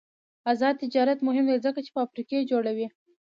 آزاد تجارت مهم دی ځکه چې فابریکې جوړوي.